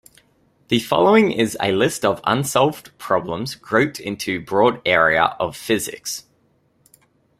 The following is a list of unsolved problems grouped into broad area of physics.